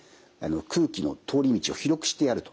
空気の通り道を広くしてやると。